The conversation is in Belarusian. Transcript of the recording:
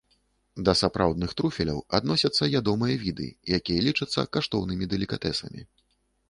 Да сапраўдных труфеляў адносяцца ядомыя віды, якія лічацца каштоўнымі далікатэсамі.